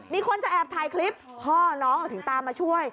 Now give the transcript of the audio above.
มีคนจะแอบถ่ายคลิปพ่อน้องถึงตามมาช่วย